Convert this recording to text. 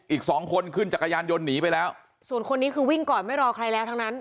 อีกสองคนขึ้นจักรยานยนต์หนีไปแล้วส่วนคนนี้คือวิ่งก่อนไม่รอใครแล้วทั้งนั้น